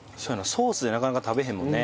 ソースでなかなか食べへんもんね。